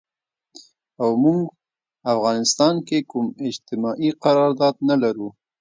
او مونږ افغانستان کې کوم اجتماعي قرارداد نه لرو